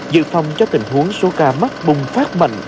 dự phòng cho tình huống số ca mắc bùng phát mạnh